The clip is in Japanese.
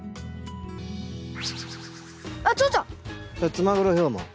ツマグロヒョウモン。